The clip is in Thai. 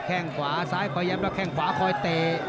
แค่งขวาซ้ายคอยย้ำแล้วแข้งขวาคอยเตะ